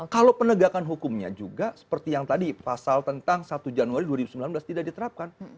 kalau penegakan hukumnya juga seperti yang tadi pasal tentang satu januari dua ribu sembilan belas tidak diterapkan